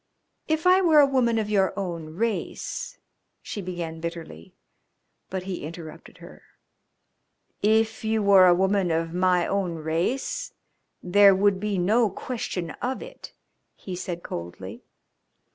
"If I were a woman of your own race " she began bitterly, but he interrupted her. "If you were a woman of my own race there would be no question of it," he said coldly.